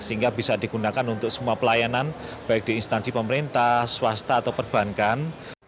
sehingga bisa digunakan untuk semua pelayanan baik di instansi pemerintah swasta atau perbankan